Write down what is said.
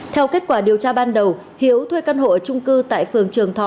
theo kết quả điều tra ban đầu hiếu thuê căn hộ ở trung cư tại phường trường thọ